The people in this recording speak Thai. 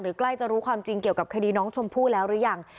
ใกล้จะรู้ความจริงเกี่ยวกับคดีน้องชมพู่แล้วหรือยัง